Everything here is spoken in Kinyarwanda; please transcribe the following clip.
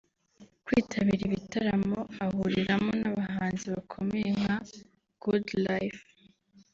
kwitabira ibitaramo ahuriramo n’abahanzi bakomeye nka Goodlyfe